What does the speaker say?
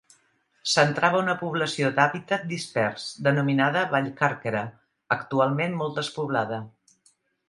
Centrava una població d'hàbitat dispers, denominada Vallcàrquera, actualment molt despoblada.